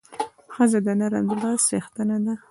ښځه د نرم زړه څښتنه ده.